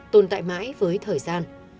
tồn tại mãi với thời gian